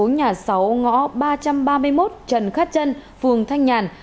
nhà sáu ngõ ba trăm ba mươi một trần khát trân phường thanh nhàn